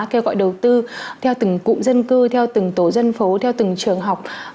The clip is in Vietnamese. kêu gọi đầu tư theo từng cụm dân cư theo từng tổ dân phố theo từng trường học